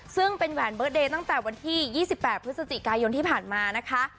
ซึ่งเป็นแหวนเดิร์เดย์ตั้งแต่วันที่๒๘พฤศจิกายนที่ผ่านมานะคะ